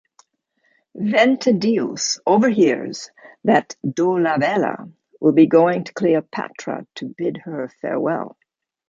Ventidius overhears that Dolabella will be going to Cleopatra to bid her farewell.